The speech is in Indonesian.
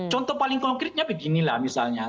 contoh paling konkretnya beginilah misalnya